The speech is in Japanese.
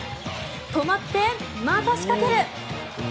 止まって、また仕掛ける。